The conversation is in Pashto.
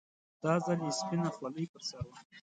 دا ځل يې سپينه خولۍ پر سر وه.